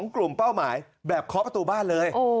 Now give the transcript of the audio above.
กลุ่มเป้าหมายแบบเคาะประตูบ้านเลย